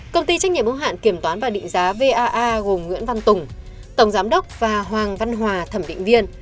công ty trách nhiệm ưu hạn kiểm toán và định giá va gồm nguyễn văn tùng tổng giám đốc và hoàng văn hòa thẩm định viên